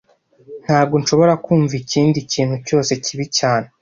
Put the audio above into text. Ntago nshobora kumva ikindi kintu cyose cyibi cyane